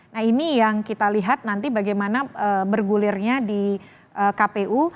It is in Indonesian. nah ini yang kita lihat nanti bagaimana bergulirnya di kpu